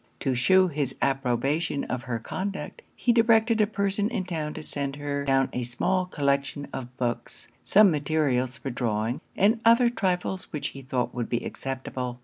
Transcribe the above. To shew his approbation of her conduct, he directed a person in town to send her down a small collection of books; some materials for drawing; and other trifles which he thought would be acceptable.